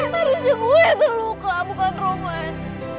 harusnya gue yang terluka bukan romlan